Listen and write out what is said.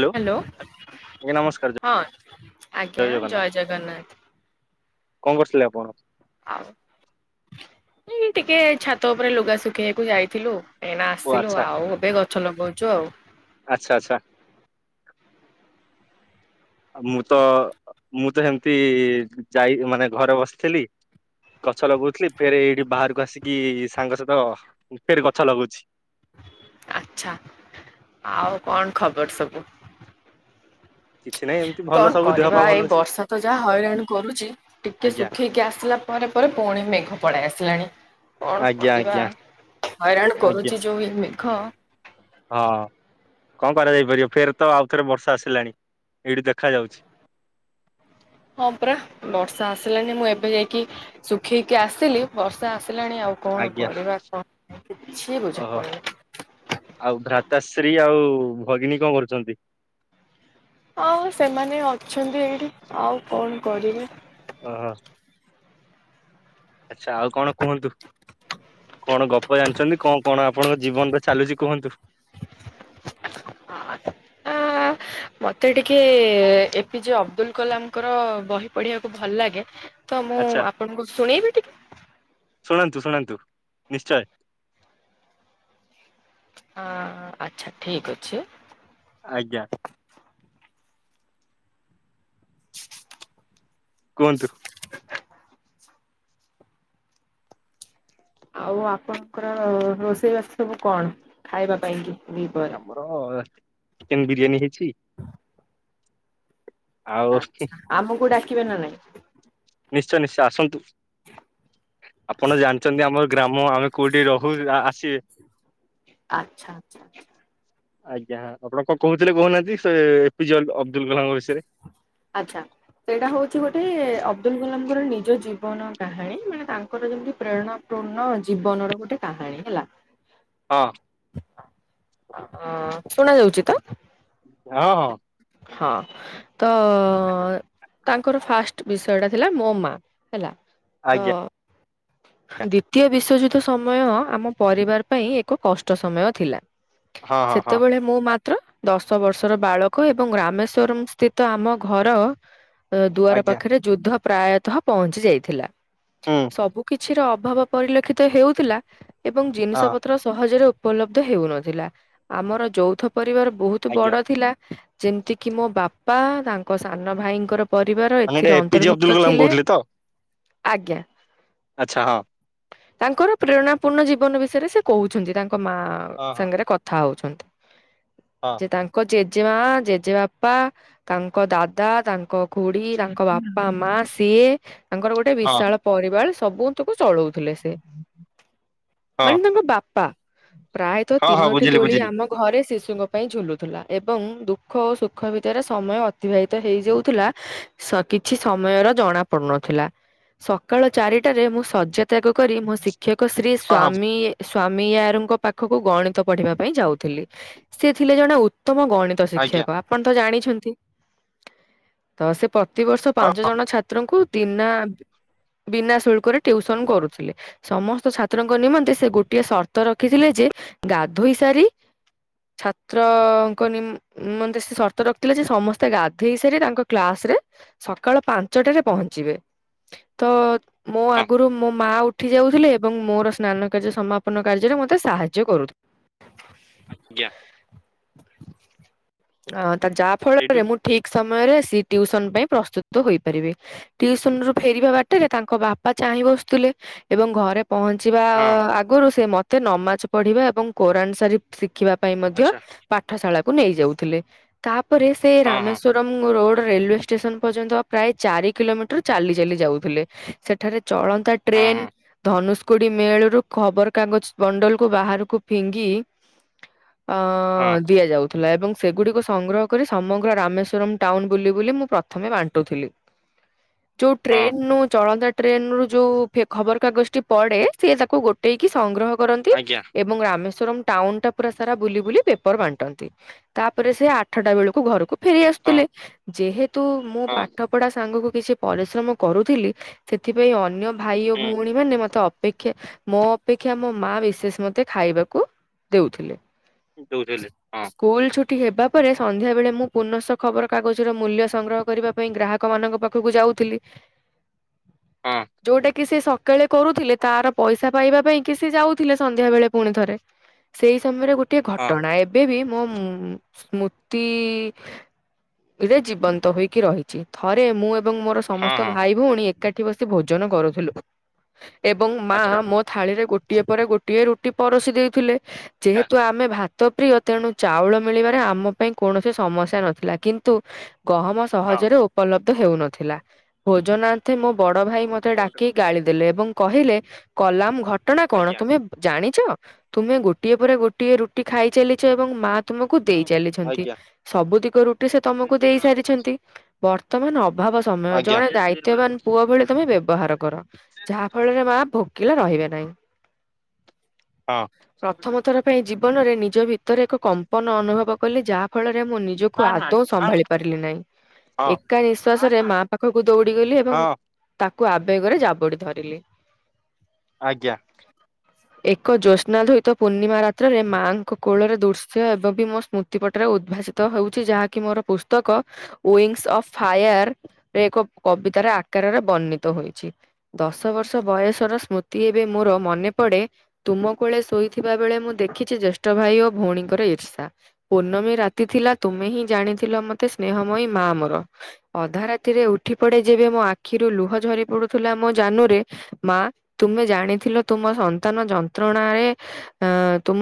Hello, ଆଜ୍ଞା ନମସ୍କାର ହଁ ଆଜ୍ଞା ଜୟ ଜଗନ୍ନାଥ। କଣ କରିଥିଲେ ଆପଣ? ଆଉ ଏ ଟିକେ ଛାତ ଉପରେ ଲୁଗା ଶୁଖେଇଆକୁ ଯାଇଥିଲୁ। ଏଇନା ଓ ଆସିଲୁ, ଆଚ୍ଛା ଆଉ ଏବେ ଗଛ ଲଗଉଛୁ ଆଉ। ଆଚ୍ଛା, ଆଚ୍ଛ। ଆଉ ମୁଁ ତ, ମୁଁ ତ ସେମିତି ଯାଇ ମାନେ ଘରେ ବସିଥିଲି। ଗଛ ଲଗଉଥିଲି, ଫେରେ ଏଇଠି ବାହାରକୁ ଆସିକି ସାଙ୍ଗ ସହିତ ଫେର ଗଛ ଲଗଉଛି। ଆଚ୍ଛା, ଆଉ କଣ ଖବର ସବୁ? କିଛି ନାହିଁ ଏମିତି ଭଲ କଣ ସବୁ ଦେହ ପା କରିବା ଭଲ ଏଇ ଅଛି ବର୍ଷା ତ ଯାହା ହଇରାଣ କରୁଛି। ଟିକେ ଆଜ୍ଞା ଶୁଖେଇକି ଆସିଲା ପରେ ପରେ ପୁଣି ମେଘ ପଳେଇ ଆସିଲାଣି। କଣ ଆଜ୍ଞା କରିବା? ଆଜ୍ଞା ହଇରାଣ ଆଜ୍ଞା କରୁଛି ଯୋଉ ଏ ମେଘ। ହଁ କଣ କରାଯାଇପାରିବ ଫେର ତ ଆଉ ଥରେ ବର୍ଷା ଆସିଲାଣି, ଏଇଠୁ ଦେଖା ଯାଉଛି। ହଁ ପରା ବର୍ଷା ଆସିଲାନି, ମୁଁ ଏବେ ଯାଇକି ଶୁଖେଇକି ଆସିଲି। ବର୍ଷା ଆସିଲାଣି ଆଉ କଣ ଆଜ୍ଞା କରିବା କଣ କିଛି ବୁଝା ଓହୋ। ପଡୁନି। ଆଉ ଭ୍ରାତାଶ୍ରୀ ଆଉ ଭଗିନୀ କଣ କରୁଚନ୍ତି? ଆଉ ସେମାନେ ଅଛନ୍ତି ଏଇଠି ଆଉ କଣ କରିବେ। ଓ ହୋ। ଆଚ୍ଛା ଆଉ କଣ କୁହନ୍ତୁ? କଣ ଗପ ଜାଣିଛନ୍ତି କଣ କଣ ଆପଣଙ୍କ ଜୀବନ ରେ ଚାଲୁଛି କୁହନ୍ତୁ? ଆଁ ମତେ ଟିକେ ଏ ପି ଜେ ଅବଦୁଲ କଲାମଙ୍କର ବହି ପଢିବାକୁ ଭଲ ଲାଗେ। ତ ମୁଁ ଆଚ୍ଛା ଆପଣଙ୍କୁ ଶୁଣେଇବି ଟିକେ? ଶୁଣନ୍ତୁ ଶୁଣନ୍ତୁ ନିଶ୍ଚୟ। ଅ ଆଚ୍ଛା ଠିକ ଅଛି। ଆଜ୍ଞା। କୁହନ୍ତୁ। ଆଉ ଆପଣଙ୍କର ରୋଷେଇବାସ ସବୁ କଣ ଖାଇବା ପାଇଁ କି ଦି ପରେ? ହଁ ଚିକେନ ବିରିୟାନୀ ହେଇଛି। ଆଉ ଆଚ୍ଛା ଆମକୁ ଡାକିବେ ନା ନାଇଁ? ନିଶ୍ଚୟ ନିଶ୍ଚୟ ଆସନ୍ତୁ ଆପଣ ଜାଣିଛନ୍ତି ଆମର ଗ୍ରାମ ଆମେ କୋଉଠି ରହୁ ଆସିବେ। ଆଚ୍ଛା ଆଚ୍ଛା ଛା। ଆଜ୍ଞା ହଁ ଆପଣ କଣ କହୁଥିଲେ କହୁନାହାନ୍ତି ସେ ଏପି ଜେ ଅବଦୁଲ କଲାମଙ୍କ ବିଷୟରେ। ଆଛା ସେଇଟା ହଉଛି ଗୋଟେ ଅବଦୁଲ କଲାମଙ୍କର ନିଜ ଜୀବନ କାହାଣୀ ମାନେ ତାଙ୍କର ଯେମିତି ପ୍ରେରଣା ସମ୍ ପୂର୍ଣ୍ଣ ଜୀବନ ର ଗୋଟେ କାହାଣୀ ହେଲା। ହଁ ହ ଶୁଣା ଯାଉଛି ତ? ହଁ ହଁ ହଁ ତ ତାଙ୍କର ଫାଷ୍ଟ ବିଷୟ ଟା ଥିଲା ମୋ ମା ହେଲା ତ ଆଜ୍ଞା ଦ୍ଵିତୀୟ ବିଶ୍ଵଯୁଦ୍ଧ ସମୟ ଆମ ପରିବାର ପାଇଁ ଏକ କଷ୍ଟ ସମୟ ଥିଲା। ହଁ ହଁ ହଁ ସେତେବେଳେ ମୁଁ ମାତ୍ର ଦଶ ବର୍ଷର ବାଳକ ଏବଂ ର୍ରାମେଶ୍ଵରମ୍ ସ୍ଥିତ ଆମ ଘର ଦୁଆର ଆଜ୍ଞା ପାଖରେ ଯୁଦ୍ଧ ପ୍ରାୟତଃ ପହଞ୍ଚି ଯାଇଥିଲା। ହୁଁ ସବୁ କିଛି ପଛିର ଅଭାବ ପରିଲକ୍ଷିତ ହେଉଥିଲା ଏବଂ ହଁ ଜିନିଷ ପତ୍ର ସହଜରେ ଉପଲବ୍ଧ ହେଉନଥିଲା ଆମର ଯୌଥ ପରିବାର ବହୁତ ଆଜ୍ଞା। ବଡ ଥିଲା। ଯେମିତି କିି ମୋ ବାପା ତାଙ୍କ ସାନ ଭାଇଙ୍କର ପରିବାର ମାନେ ଏଟେ ଏଥିରେ ଏପିଜେ ଅବଦୁଲ ଅନ୍ତର୍ଭୁକ୍ତ କଲାମ ଥିଲେ କହୁଥିଲେ ତ ଆଜ୍ଞା। ଆଚ୍ଛା ହଁ। ତାଙ୍କର ପ୍ରେରଣା ପୂର୍ଣ୍ଣ ଜୀବନ ବିଷୟରେ ସେ କହୁଛନ୍ତି ତାଙ୍କ ମା ହଁ ହଁ ସାଙ୍ଗରେ କ କଥା ହଉଛନ୍ତି। ହଁ ଯେ ତାଙ୍କ ଜେଜେମା ଜେଜେବାପା ତାଙ୍କ ଦାଦା ତାଙ୍କ ଘୁଡି ତାଙ୍କ ବାପା ମା ସା ସିଏ ତାଙ୍କର ଗୋଟେ ହଁ ବିଶାଳ ପରିବାର ସବୁ ତାକୁ ଚଳଉଥିଲେ ସେ। ହଁ ମାନେ ତାଙ୍କ ବାପା ପ୍ରାୟତଃ ହଁ ହଁ ତିନୋଟି ବୁଝିଲି ଦୋଳି ବୁଝିଲି ଆମ ଘରେ ଶିଶୁଙ୍କ ପାଇଁ ଝୁଲୁଥିଲା ଏବଂ ଦୁଃ ଦୁଃଖ ଓ ସୁଖ ଭିତରେ ସମୟ ଅତିବାହିତ ହେଇଯାଉଥିଲା। କିଛି ସମୟର ଜଣା ପଡୁନଥିଲା ସକାଳ ଚାରିଟାରେ ମୁଁ ସଯ ତ୍ୟାଗ କରି ମୋ ଶିକ୍ଷକ ଶ୍ରୀ ହଁ ହଁ ସ୍ଵାମୀ‌ ସ୍ଵାମୀୟାରୁଙ୍କ ପାଖକୁ ଗଣିତ ପଢିବା ପାଇଁ ଯାଉଥିଲି। ସେ ଥିଲେ ଜଣେ ଉତ୍ତମ ଗଣିତ‌ ଆଜ୍ଞା ଶିକ୍ଷକ ଆପଣ ତ ଜାଣିଛନ୍ତି ତ ସେ ପ୍ରତିବର୍ଷ ହଁ ପାଞ୍ଚ ଜଣ ଛାତ୍ରଙ୍କୁ ବିନା ବିନା ଶୁଳ୍କରେ ଟିଉସନ କରୁଥିଲେ। ସମସ୍ତ ଛାତ୍ରଙ୍କ ନିମନ୍ତେ ସେ ଗୋଟିଏ ସର୍ତ୍ତ ରଖିଥିଲେ ଯେ ଗାଧୋଇ ସାରି ଛାତ୍ରଙ୍କ ନିମ ମନ୍ତେ ସର୍ତ୍ତ ରଖିଥିଲେ ଯେ ସମସ୍ତେ ଗାଧେଇ ସାରି ତାଙ୍କ କ୍ଲାସ ରେ ସକାଳ ପାଞ୍ଚଟାରେ ପହଞ୍ଚିବେ ତ ମୋ ହଁ ଆଗରୁ ମୋ ମା ଉଠି ଯାଉଥିଲେ ଏବଂ ମୋର ସ୍ନାନ କାର୍ଯ୍ୟ ସମାପନ କାର୍ଯ୍ୟରେ ମତେ ସାହାଯ୍ୟ କରୁଥି ଆଜ୍ଞା। ଅ ତ ଯାହା ଏଇଠୁ ଫଳରେ ମୁଁ ଠିକ ସମୟରେ ସେ ଟ୍ୟୁସନ ପାଇଁ ପ୍ରସ୍ତୁତ ହୋଇପାରିବି। ଟିଉସନ ରୁ ଫେରିବା ବାଟରେ ତାଙ୍କ ବାପା ଚାହିଁ ବଶୁ ଥିଲେ ଏବଂ ଘରେ ପହଞ୍ଚିବା ହଁ ଆଗରୁ ସେ ମତେ ନମାଜ ପଢ଼ିବା ଏବଂ କୋରାନ୍ ସାରି ଶିଖିବା ପାଇଁ ମଧ୍ୟ ଆଚ୍ଛା ପାଠଶାଳାକୁ ନେଇ ଯାଉଥିଲେ ତାପରେ ସେ ହଁ ହଁ ରାମେଶ୍ୱର ମ୍ ରୋଡ ରେଲୱେ ଷ୍ଟେସନ ପର୍ଯ୍ୟନ୍ତ ପ୍ରାୟ ଚାରି କିଲୋମିଟର ଚାଲି ଚାଲି ଯାଉଥିଲେ। ସେଠାରେ ଚଳନ୍ତା ହଁ ଟ୍ରେନ ହଁ ଧନୁଷ କୋଡ଼ି ମେଳରୁୁ ଖବରକାଗଜ ବଣ୍ଡଲକୁୁ ବାହାରକୁ ଫିଙ୍ଗି ହଁ ଅଁ ଦିଆଯାଉଥିଲା ଏବଂ ସେଗୁଡିକୁ ସଂଗ୍ରହ କରି ସମଗ୍ର ରାମେଶ୍ୱରମ ଟାଉନ ବୁଲି ବୁଲି ମୁଁ ପ୍ରଥମେ ବାଣ୍ଟୁଥିଲି। [inaudible] ଯୋଉ ହଁ ଟ୍ରେନ ରୁ ଚଳନ୍ତା ଟ୍ରେନ ରୁ ଯୋଉ ଫେ ଖବରକାଗଜ ଟି ପଡେ ସିଏ ତାକୁ ଗୋ ଟେଇକି ସଂଗ୍ରହ କରନ୍ତି ଆଜ୍ଞା ଏ ଏବଂ ରାମେଶ୍ଵର ଟାଉନ ଟା ପୁରା ସାରା ବୁଲି ବୁଲି ପେପର ବାଣ୍ଟନ୍ତି। ତାପରେ ସେ ଆଠଟା ବେଳକୁ ଘରୁ କୁ ଫେରି ହଁ ଆସୁଥିଲେ ଯେହେତୁ ମୁଁ ହଁ ପାଠ ପଢା ସାଙ୍ଗକୁ କିଛି ପରିଶ୍ରମ କରୁଥିଲି ସେଥିପାଇଁ ଅନ୍ୟ ଭାଇ ଓ ଭଉଣୀ ମାନେ ମତେ ଅପେକ୍ଷା ମୋ ଅପେକ୍ଷା ମୋ ମା ବିଶେଷ ମତେ ଖାଇବାକୁ ଦେଉଥିଲେ। ଦୋଉଥିଲେ ହଁ। କୁଲ୍ ଛୁ ଟୀ ହେବା ପରେ ସନ୍ଧ୍ୟାବେଳେ ମୁଁ ପୁନଃଶ ଖବରକାଗଜର ମୂଲ୍ୟ ସଂଗ୍ରହ କରିବା ପାଇଁ ଗ୍ରାହକମାନଙ୍କ ପାଖକୁ ଯାଉଥିଲି। ହଁ ଯୋଉଟା କି ସେ ସ ଳେ କରୁଥିଲେ ତାର ପଇସା ପାଇବା ପାଇଁ କି ସେ ଯାଉଥିଲେ ସନ୍ଧ୍ୟା ବେଳେ ପୁଣି ଥରେ। ସେଇ ସମୟରେ ଗୋଟିଏ ହଁ ଘଟଣା ଏବେ ବି ମୋ ମ ସ୍ମୃତି ରେ ଜୀବନ୍ତ ହୋଇକି ରହିଛି ଥରେ ମୁଁ ଏବଂ ମୋର ସ ହଁ ସମସ୍ତ ହଁ ଭାଇ ଭଉଣୀ ଏକାଠି ବସି ଭୋଜନ କରୁଥିଲୁ ଏବଂ ମା ଆଚ୍ଛା ମୋ ଥାଳିରେ ଗୋଟିଏ ପରେ ଗୋଟିଏ ରୁଟି ପରଷି ଦେଇଉଥିଲେ ଆଚ୍ଛା ଯେହେତୁ ଆମେ ଭା ତ ପ୍ରିୟ ତେଣୁ ଚାଉଳ ମିଳିବାରେ ଆମ ପାଇଁ କୌଣସି ସମସ୍ୟା ନଥିଲା କିନ୍ତୁ ଗହମ ହଁ। ସହଜରେ ଉପଲବ୍ଧ ହେଉନଥିଲା। ଭୋଜନାଥେଁ ହଉ ମୋ ତ ବଡ ମୁଁ ଭାଇ କହ ମତେ କଲରେ ଡାକି କଥା ଗାଳି ହଉଛି ଦେଲେ ଏବଂ କହିଲେ କଲାମ ଘଟଣା କଣ ଆଜ୍ଞା ତୁମେ ଜାଣିଚ ତୁମେ ଗୋଟିଏ ପରେ ଗୋଟିଏ ରୁଟି ଖାଇ ଚାଲିଛ ଏବଂ ମା ତୁମକୁ ଦେଇ ଚାଲିଛନ୍ତି ଆଜ୍ଞା। ସବୁ ଦିଗ ରୁଟି ସେ ତମକୁ ଦେଇ ସାରିଛନ୍ତି। ବର୍ତ୍ତମାନ ଅଭାବ ସମୟ ଆଜ୍ଞା ଜଣେ ହଁ। ଦାୟିତ୍ୱବାନ ପୁଅ ଭଳି ତମେ ବ୍ୟବହାର କର ଯାହା ଫଳରେ ମା ଭୋକିଲା ରହିବେ ନାହିଁ। ପ୍ରଥମ ଥର ପାଇଁ ଜୀବନରେ ନିଜ ଭିତରେ ଏକ କମ୍ପନ ଅନୁଭବ କଲେ ଯାହା ଫଳରେ ମୁଁ ନିଜକୁ ଆଦୌ ସମ୍ଭାଳି ପାରିଲି ନାହିଁ। ହଁ ଏକା ନିଶ୍ଵାସରେ ମା ପାଖକୁ ଦୌଡିଗଲି ଏବଂ ତାକୁ ଆବେଗରେ ଜାବୁଡ଼ି ଧରିଲି। ଆଜ୍ଞା। ଏକ ଜ୍ୟୋତ୍ସ୍ନାଧୋଇତ ପୂର୍ଣ୍ଣିମା ରାତ୍ରରେ ମାଆଙ୍କ କୋଳରେ ଦୁର୍ଶ୍ ସେ ଏବେ ବି ମୋ ସ୍ମୃତି ପଟରେ ଉଦ୍ଭାସିତ ହେଉଛି ଯାହାକି ମୋର ପୁସ୍ତକ ଉଇଙ୍ଗସ୍ ଅଫ୍ ଫାୟାର୍ ରେ ଏକ କବିତାର ଆକାରରେ ବର୍ଣ୍ଣିତ ହୋଇଛି। ଦଶ ବର୍ଷ ବୟସର ସ୍ମୃତି ଏବେ ମୋର ମନେ ପଡ଼େ। ତୁମ କୋଳେ ଶୋଇଥିବା ବେଳେ ମୁଁ ଦେଖିଛି ଜ୍ୟେଷ୍ଠ ଭାଇ ଓ ଭଉଣୀଙ୍କୁ। ର ଇର୍ଷା ପୂର୍ଣ୍ଣମୀ ରାତି ଥିଲା ତୁମେ ହିଁ ଜାଣିଥିଲ ମତେ ସ୍ନେହମୟୀ ମା ମୋର। ଅଧା ରାତିରେ ଉଠି ପଡ଼େ ଯେବେ ମୋ ଆଖିରୁ ଲୁହ ଝରି ପଡ଼ୁଥିଲା ମୋ ଜାନୁରେ ମା ତୁମେ ଜାଣିଥିଲ ତୁମ ସନ୍ତାନ ଯନ୍ତ୍ରଣାରେ ଏ ତୁମ